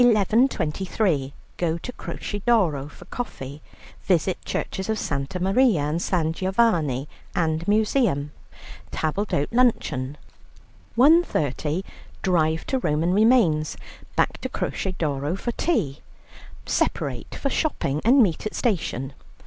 23; go to Croce d'Oro for coffee, visit churches of Santa Maria and San Giovanni, and museum: table d'hôte luncheon, 1.30; drive to Roman remains, back to Croce d'Oro for tea; separate for shopping and meet at station, 5.